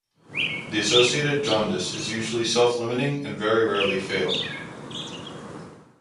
The associated jaundice is usually self-limiting and very rarely fatal.